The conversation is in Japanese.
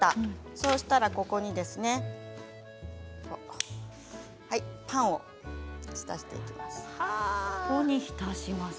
そうしたら、ここにですねパンを浸していきます。